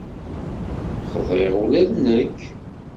Xḍiɣ ula d nekk.